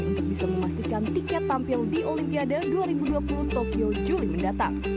untuk bisa memastikan tiket tampil di olimpiade dua ribu dua puluh tokyo juli mendatang